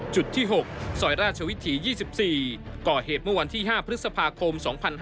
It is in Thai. จุดที่๖ซอยราชวิถี๒๔ก่อเหตุเมื่อวันที่๕พฤษภาคม๒๕๕๙